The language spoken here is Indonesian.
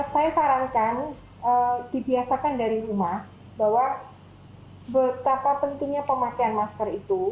saya sarankan dibiasakan dari rumah bahwa betapa pentingnya pemakaian masker itu